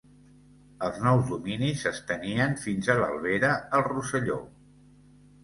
Els nous dominis s'estenien fins a l'Albera, al Rosselló.